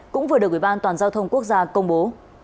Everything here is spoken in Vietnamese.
cũng vừa được ủy ban an toàn giao thông quốc gia công bố